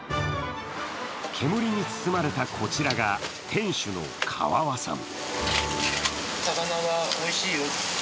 煙に包まれたこちらが店主の川和さん。